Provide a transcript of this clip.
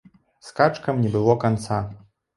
Скачкам не было канца!